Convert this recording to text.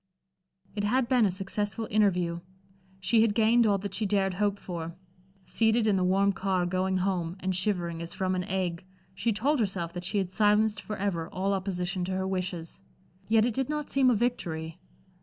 It had been a successful interview. She had gained all that she dared hope for. Seated in the warm car going home, and shivering as from an ague, she told herself that she had silenced forever all opposition to her wishes. Yet it did not seem a victory.